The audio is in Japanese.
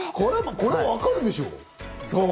これはわかるでしょ。